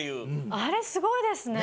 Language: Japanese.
あれすごいですね。